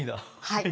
はい。